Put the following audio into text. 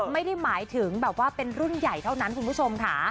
ไม่ได้หมายถึงแบบว่าเป็นรุ่นใหญ่เท่านั้นคุณผู้ชมค่ะ